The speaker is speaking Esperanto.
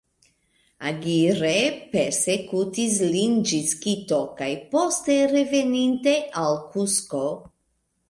Aguirre persekutis lin ĝis Kito kaj poste, reveninte, al Kusko.